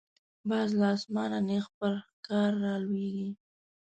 باز له آسمانه نیغ پر ښکار را لویږي